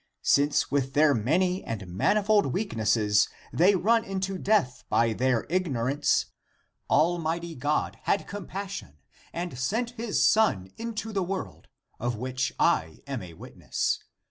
Since with their many and manifold weaknesses they run into death by their ignorance. Almighty God had compassion and sent his Son into the world, of which I am a witness.